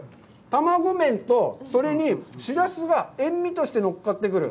たまご麺と、それに、しらすが塩味としてのっかってくる。